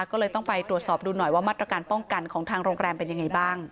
ก็เลยต้องไปตรวจสอบดูหน่อยว่ามาตรการป้องกันของทางโรงแรมเป็นยังไงบ้าง